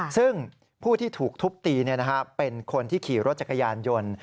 ซึ่งผู้ที่ถูกทุบตีเป็นคนที่ขี่รถจักรยานยนต์